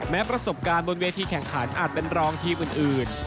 ประสบการณ์บนเวทีแข่งขันอาจเป็นรองทีมอื่น